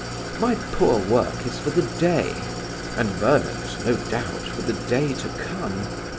"My poor work is for the day, and Vernon's, no doubt, for the day to come.